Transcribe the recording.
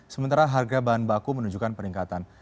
sementara harga bahan baku menunjukkan peningkatan